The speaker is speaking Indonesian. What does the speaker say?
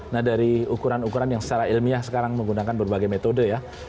nah dari ukuran ukuran yang secara ilmiah sekarang menggunakan berbagai metode ya